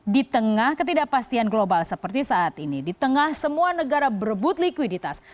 di tengah ketidakpastian global seperti saat ini di tengah semua negara berebut likuiditas